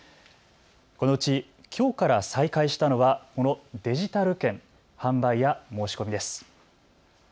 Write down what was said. このうちきょうから再開したのはこのデジタル券の販売や申し込みです。